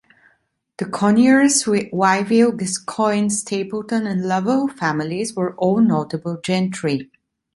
The Conyers, Wyville, Gascoigne, Stapleton and Lovell families were all notable gentry.